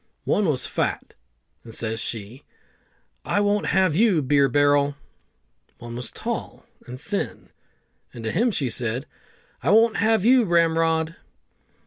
One was fat, and says she, "I won't have you, Beer barrel!" One was tall and thin, and to him she said, "I won't have you, Ramrod!"